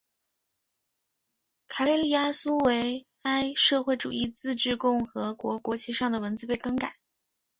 卡累利阿苏维埃社会主义自治共和国国旗上的文字被更改。